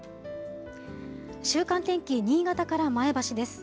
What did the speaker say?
週間天気、新潟から前橋です。